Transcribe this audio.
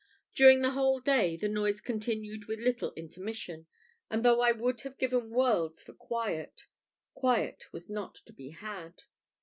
During the whole day the noise continued with little intermission; and though I would have given worlds for quiet, quiet was not to be had.